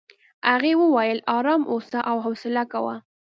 هغې وویل ارام اوسه او حوصله کوه.